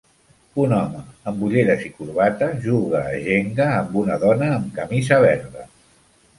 Un home amb ulleres i corbata juga a Jenga amb una dona amb camisa verda.